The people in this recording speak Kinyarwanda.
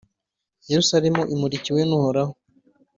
yeruzalemu imurikiwe n’uhoraho